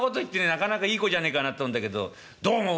なかなかいい子じゃねえかなと思うんだけどどう思う？